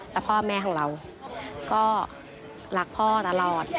แต่พ่อแม่ของเราก็รักพ่อตลอด